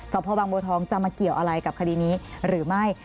พ่อบางบัวทองจะมาเกี่ยวอะไรกับคดีนี้หรือไม่